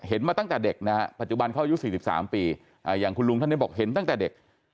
มาตั้งแต่เด็กนะฮะปัจจุบันเขาอายุ๔๓ปีอย่างคุณลุงท่านนี้บอกเห็นตั้งแต่เด็ก